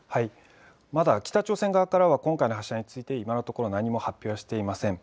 まだ北朝鮮側からは今回の発射について今のところ何も発表していません。